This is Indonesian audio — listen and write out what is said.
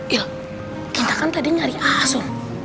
il kita kan tadi nyari asun